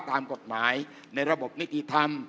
ตามกฎหมายในระบบนิติธรรม